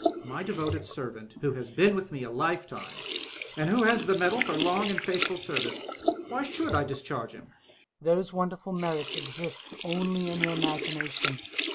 My devoted servant, who has been with me a lifetime, and who has the medal for long and faithful service Why should I discharge him? Hummel. Those wonderful merits exist only in your imag ination.